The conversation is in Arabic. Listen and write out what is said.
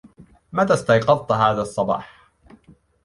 متى استيقظت هذا الصباح ؟